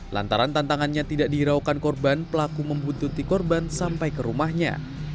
lantaran tantangannya tidak dihiraukan korban pelaku membuntuti korban sampai ke rumahnya